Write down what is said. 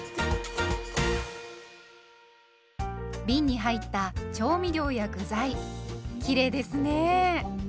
びんに入った調味料や具材きれいですね。